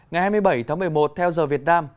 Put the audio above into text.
ngày hai mươi bảy tháng một mươi một theo giờ việt nam